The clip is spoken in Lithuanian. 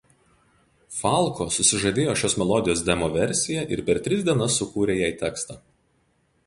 Falco susižavėjo šios melodijos demo versija ir per tris dienas sukūrė jai tekstą.